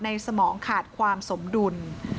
สมองขาดความสมดุล